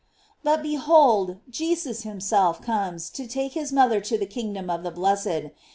But behold, Jesus himself comes to take his mother to the kingdom of the blessed.